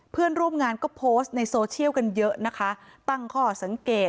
เพื่อนร่วมงานก็โพสต์ในโซเชียลกันเยอะนะคะตั้งข้อสังเกต